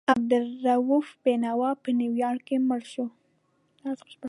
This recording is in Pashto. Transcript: عبدالرؤف بېنوا په نیویارک کې مړ شو.